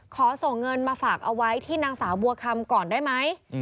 ขอส่งเงินมาฝากเอาไว้ที่นางสาวบัวคำก่อนได้ไหม